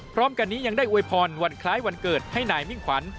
พร้อมกันนี้ยังได้อวยพรวันคล้ายวันเกิดให้นายมิ่งขวัญ